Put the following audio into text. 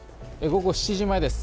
午後７時前です。